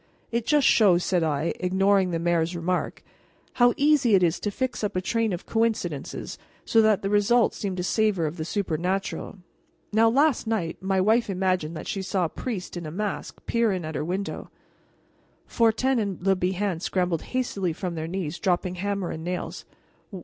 "It just shows," said I, ignoring the mayor's remark, "how easy it is to fix up a train of coincidences so that the result seems to savor of the supernatural. Now, last night my wife imagined that she saw a priest in a mask peer in at her window " Fortin and Le Bihan scrambled hastily from their knees, dropping hammer and nails.